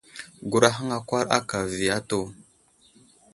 Gurahaŋ akwar aka avi atu.